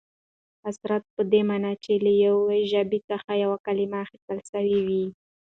اثرات په دې مانا، چي له یوې ژبي څخه یوه کلیمه اخستل سوې يي.